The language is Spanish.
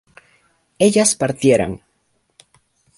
ellas partieran